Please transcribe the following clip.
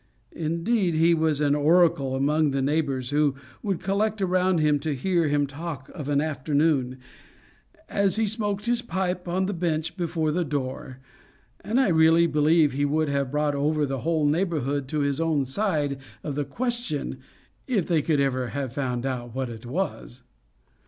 Indeed, he was an oracle among the neighbors, who would collect around him to hear him talk of an afternoon, as he smoked his pipe on the bench before the door; and I really believe he would have brought over the whole neighborhood to his own side of the question, if they could ever have found out what it was.